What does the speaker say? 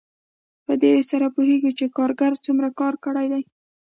په دې سره پوهېږو چې کارګر څومره کار کړی دی